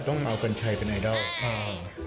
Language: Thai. ต้องเอากัญชัยเป็นไอดอลอ่า